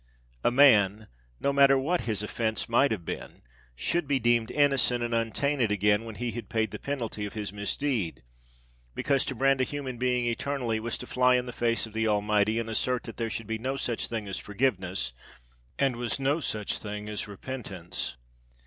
A man—no matter what his offence might have been—should be deemed innocent and untainted again, when he had paid the penalty of his misdeed; because to brand a human being eternally, was to fly in the face of the Almighty and assert that there should be no such thing as forgiveness, and was no such thing as repentance.